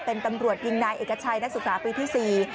เป็นตำรวจยิงนายเอกชัยนักศึกษาปีที่๔